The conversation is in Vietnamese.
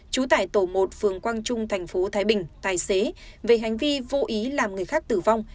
trú tại tổ một phường quang trung thành phố thái bình tài xế về hành vi vô ý làm người khác tử vong